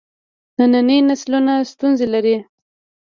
ننني نسلونه ستونزې لري.